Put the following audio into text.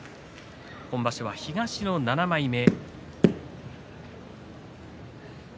今場所は東の７枚目。